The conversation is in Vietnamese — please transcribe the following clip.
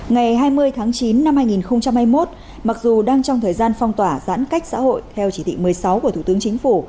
ngày hai mươi tháng chín năm hai nghìn hai mươi một mặc dù đang trong thời gian phong tỏa giãn cách xã hội theo chỉ thị một mươi sáu của thủ tướng chính phủ